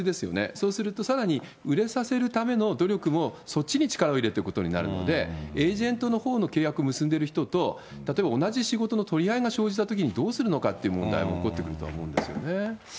そうするとさらに、売れさせるための努力も、そっちに力を入れていくことになるので、エージェントのほうの契約結んでいる人と、例えば同じ仕事の取り合いが生じたときにどうするのかっていう問題も起こってくると思うんですよね。